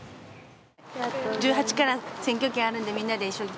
１８から選挙権あるんでみんなで一緒に